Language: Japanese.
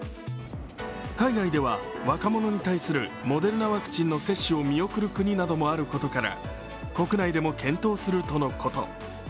海外では若者に対するモデルナワクチンの接種を見送る国などもあることから国内でも検討するとのこと。